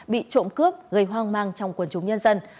bị trộm cướp gây hoang mang trong quần chúng nhân dân